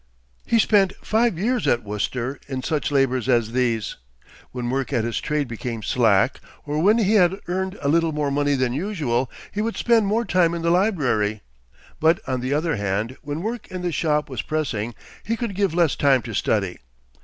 He spent five years at Worcester in such labors as these. When work at his trade became slack, or when he had earned a little more money than usual, he would spend more time in the library; but, on the other hand, when work in the shop was pressing, he could give less time to study.